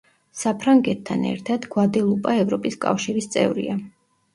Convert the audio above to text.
საფრანგეთთან ერთად, გვადელუპა ევროპის კავშირის წევრია.